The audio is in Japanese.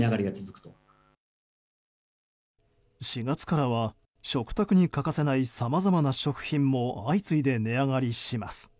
４月からは、食卓に欠かせないさまざまな食品も相次いで値上がりします。